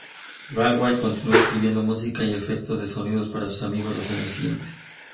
Galway, continuo escribiendo música y efectos de sonido para sus amigos los años siguientes.